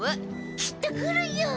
きっと来るよ！